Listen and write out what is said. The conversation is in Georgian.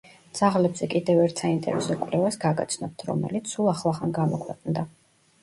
ძაღლებზე კიდევ ერთ საინტერესო კვლევას გაგაცნობთ, რომელიც სულ ახლახან გამოქვეყნდა.